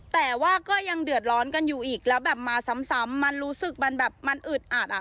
แต่ว่าก็ยังเดือดร้อนกันอยู่อีกแล้วแบบมาซ้ำมันรู้สึกมันแบบมันอึดอัดอ่ะ